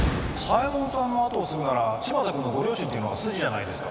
嘉右衛門さんの跡を継ぐなら千万太君のご両親っていうのが筋じゃないですか。